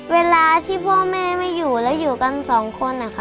เวลาที่พ่อแม่ไม่อยู่แล้วอยู่กันสองคน